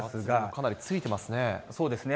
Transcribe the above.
かなりついてますね。